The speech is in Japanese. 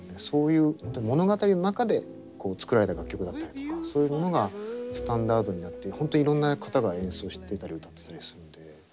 そういう本当に物語の中で作られた楽曲だったりとかそういうものがスタンダードになって本当いろんな方が演奏してたり歌ってたりするんで。